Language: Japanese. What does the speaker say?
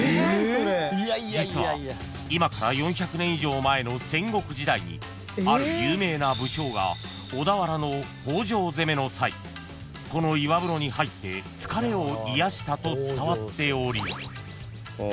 ［実は今から４００年以上前の戦国時代にある有名な武将が小田原の北条攻めの際この岩風呂に入って疲れを癒やしたと伝わっており］